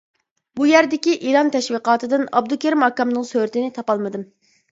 بۇ يەردىكى ئېلان تەشۋىقاتىدىن ئابدۇكېرىم ئاكامنىڭ سۈرىتىنى تاپالمىدىم.